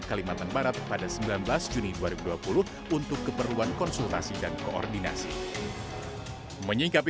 kalimantan barat pada sembilan belas juni dua ribu dua puluh untuk keperluan konsultasi dan koordinasi menyingkapi